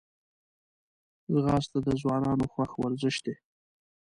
ځغاسته د ځوانانو خوښ ورزش دی